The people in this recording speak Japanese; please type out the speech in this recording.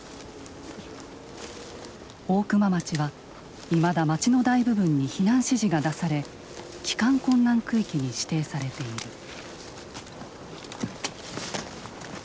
大熊町はいまだ町の大部分に避難指示が出され帰還困難区域に指定されている。